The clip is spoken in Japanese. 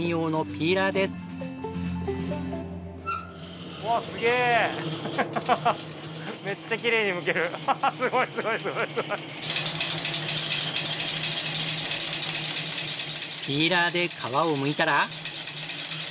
ピーラーで皮をむいたら。